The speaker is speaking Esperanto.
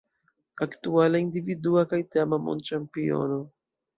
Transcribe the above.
Aktuala individua kaj teama mondĉampiono.